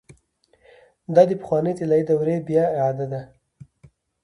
دا د پخوانۍ طلايي دورې بيا اعاده ده.